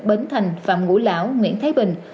bến thành phạm ngũ lão nguyễn thái bình